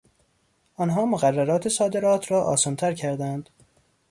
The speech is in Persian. آنها مقررات صادرات را آسانتر کردند.